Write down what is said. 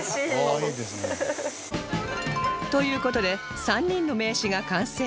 という事で３人の名刺が完成